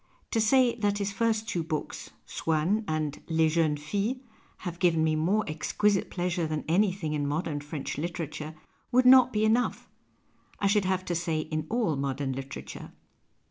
To say that his first two books, " Swann " and " Les Jeunes Filles," have given me more exquisite pleasure than anything in modern French literature would not be enough — I should have to say, in all modern literature.